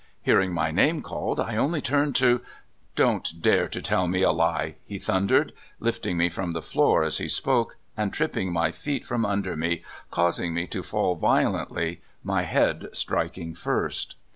'Hearing my name called, I only turned to '—"' Do n't dare to tell me a lie !' he thundered, lifting me from the floor as he spoke, and tripping my feet from under me, causing me to fall vio lently, my head striking first.